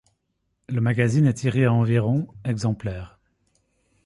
Le magazine est tiré à environ exemplaires.